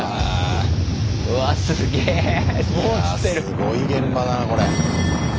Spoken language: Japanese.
すごい現場だなこれ。